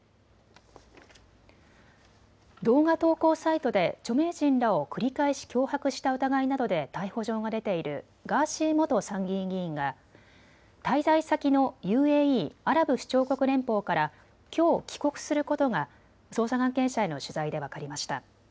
動画投稿サイトで著名人らを繰り返し脅迫した疑いなどで逮捕状が出ているガーシー元参議院議員が滞在先のＵＡＥ・アラブ首長国連邦からきょう帰国することが捜査関係者への取材で分かりました。